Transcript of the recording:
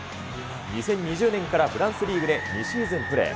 ２０２０年からフランスリーグで２シーズンプレー。